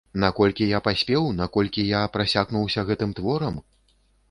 Наколькі я паспеў, наколькі я прасякнуўся гэтым творам?